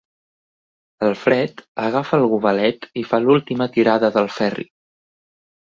El Fred agafa el gobelet i fa l'última tirada del Ferri.